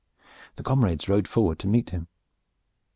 The comrades rode forward to meet him.